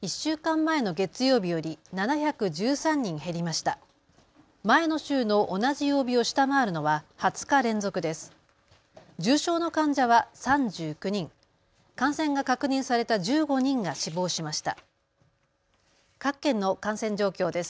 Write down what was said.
前の週の同じ曜日を下回るのは２０日連続です。